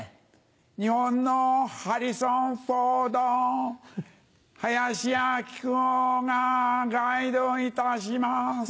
日本のハリソン・フォード林家木久扇がガイドいたします。